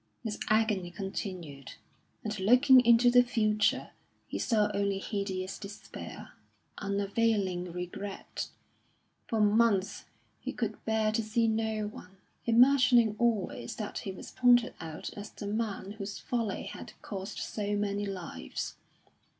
His agony continued, and looking into the future, he saw only hideous despair, unavailing regret. For months he could bear to see no one, imagining always that he was pointed out as the man whose folly had cost so many lives.